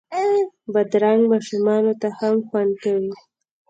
بادرنګ ماشومانو ته هم خوند کوي.